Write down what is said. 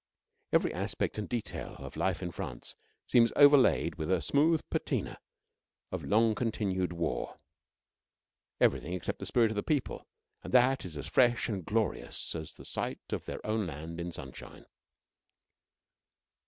Every aspect and detail of life in France seems overlaid with a smooth patina of long continued war everything except the spirit of the people, and that is as fresh and glorious as the sight of their own land in sunshine.